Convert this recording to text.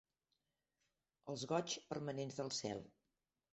Els goigs permanents del cel.